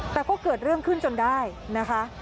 แต่ก็เกิดเรื่องขึ้นจนได้นะคะ